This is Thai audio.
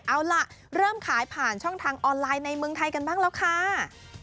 เอาล่ะเริ่มขายผ่านช่องทางออนไลน์ในเมืองไทยกันบ้างแล้วค่ะ